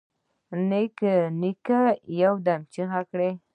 نيکه يودم چيغه کړه.